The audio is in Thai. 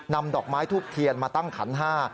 นำดอกไม้ทูบเทียนมาตั้งขันห้า